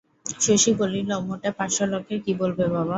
শশী বলিল, মোটে পাঁচশো লোকে কী বলবে বাবা?